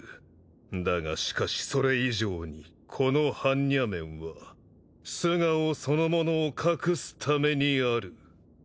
だがしかしそれ以上にこの般若面は素顔そのものを隠すためにある。